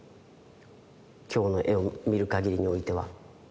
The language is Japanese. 今日の絵を見るかぎりにおいては。